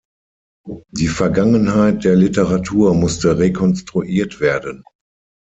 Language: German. Die Vergangenheit der Literatur musste rekonstruiert werden.